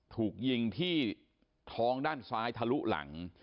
ถูกยิงที่ท้องด้านซ้ายทะลุหลัง